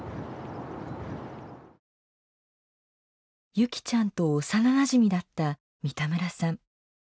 優希ちゃんと幼なじみだった三田村さん。